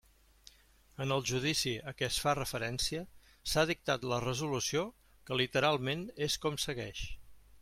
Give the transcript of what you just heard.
En el judici a què es fa referència s''ha dictat la resolució que, literalment, és com segueix.